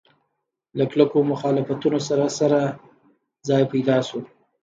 له کلکو مخالفتونو سره سره ځای پیدا شو.